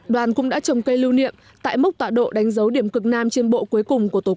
đoàn cũng đã trồng cây lưu niệm tại mốc tọa độ đánh dấu điểm cực nam trên bộ cuối cùng của tổ quốc